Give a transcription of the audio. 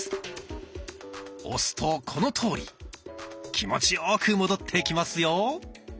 押すとこのとおり気持ちよく戻ってきますよ。